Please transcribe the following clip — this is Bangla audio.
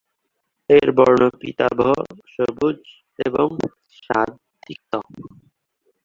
এর বর্ণ পীতাভ-সবুজ এবং স্বাদ তিক্ত।